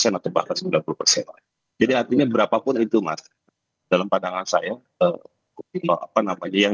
atau bahkan sembilan puluh persen jadi artinya berapapun itu mas dalam pandangan saya apa namanya yang